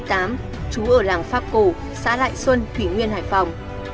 trú ở làng pháp cổ xã lại xuân thủy nguyên hải phòng